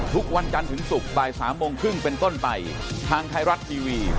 สวัสดีครับ